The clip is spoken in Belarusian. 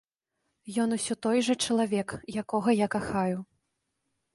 Ён усё той жа чалавек, якога я кахаю.